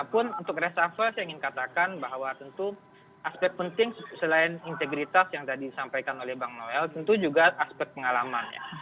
walaupun untuk reshuffle saya ingin katakan bahwa tentu aspek penting selain integritas yang tadi disampaikan oleh bang noel tentu juga aspek pengalaman ya